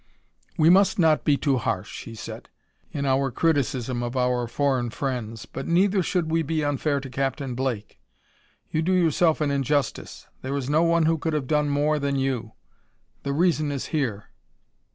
"We must not be too harsh," he said, "in our criticism of our foreign friends, but neither should we be unfair to Captain Blake. You do yourself an injustice; there is no one who could have done more than you. The reason is here."